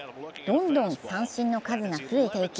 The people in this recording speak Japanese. どんどん三振の数が増えていき